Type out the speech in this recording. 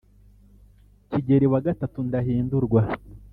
kigeli wa gatatu ndahindurwa